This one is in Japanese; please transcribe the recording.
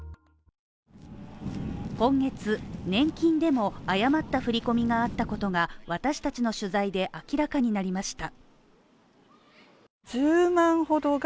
今月、年金でも誤った振り込みがあったことが私たちの取材で明らかになりました。